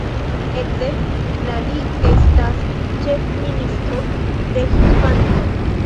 Ekde la li estas ĉefministro de Hispanio.